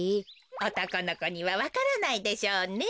おとこのこにはわからないでしょうね。